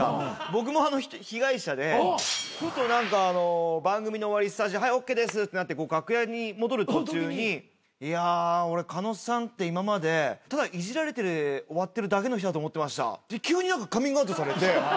僕も被害者でふと何か番組の終わりはいＯＫですってなって楽屋に戻る途中に「いや俺狩野さんって今までただいじられて終わってるだけの人だと思ってました」って急に何かカミングアウトされて。